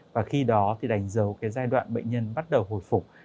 và khi đó thì đánh dấu cái giai đoạn bệnh nhân bắt đầu hồi phục